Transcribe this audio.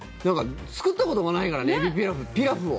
作ったこともないからねえびピラフ、ピラフを。